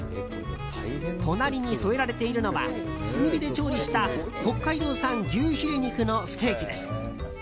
隣に添えられているのは炭火で調理した北海道産牛ヒレ肉のステーキです。